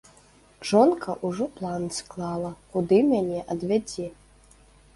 Жонка ўжо план склала, куды мяне адвядзе.